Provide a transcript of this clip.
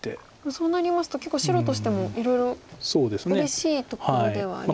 そうなりますと結構白としてもいろいろうれしいところではありますか。